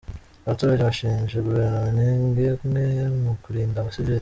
Abaturage bashinje guverinoma intege nke mu kurinda abasivili.